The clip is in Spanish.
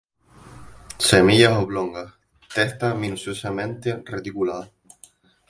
Semillas oblongas; testa minuciosamente reticulada.